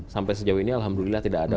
sampai sejauh ini alhamdulillah tidak ada